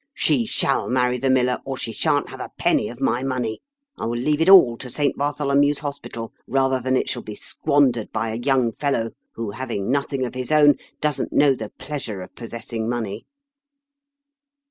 ^'She shall marry the miller, or she shan't have a penny of my money. I will leave it all to St Bartholomew's Hospital rather than it shall be squandered by a young fellow who, having nothing of his own, doesn't know the pleasure of possessing money."